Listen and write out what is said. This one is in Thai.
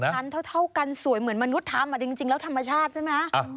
ชั้นเท่ากันสวยเหมือนมนุษย์ทำจริงแล้วธรรมชาติใช่ไหม